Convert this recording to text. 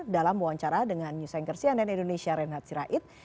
dalam wawancara dengan news anchor cnn indonesia renhat sirait